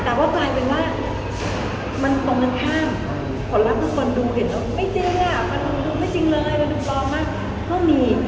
แต่ว่าปลายเป็นว่ามันตรงข้างข้างผลักทุกคนดูเห็นแล้วไม่เจอมันรู้ไม่จริงเลยมันรู้ปลอมมากก็มี